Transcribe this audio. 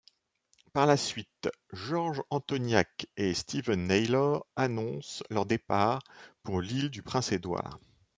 Par la suite, George Antoniak et Steven Naylor annoncent leur départ pour l'Île-du-Prince-Édouard.